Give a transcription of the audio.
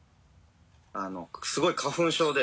すごい花粉症で。